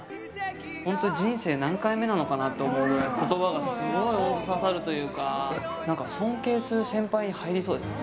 本当に人生何回なのかなと思うくらい、ことばが重く刺さるというか、なんか尊敬する先輩に入りそうですね。